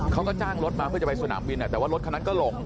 เขาก็จ้างรถมาเพื่อจะไปสนามบินแต่ว่ารถคันนั้นก็หลง